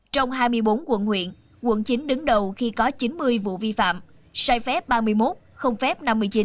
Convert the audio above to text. trong hai mươi bốn quận huyện quận chín đứng đầu khi có chín mươi vụ vi phạm sai phép ba mươi một không phép năm mươi chín